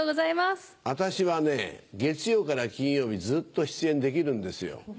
私はね月曜から金曜日ずっと出演できるんですよ。